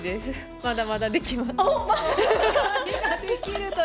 まだまだできると。